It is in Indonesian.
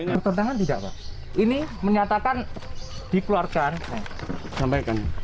bertentangan tidak pak ini menyatakan dikeluarkan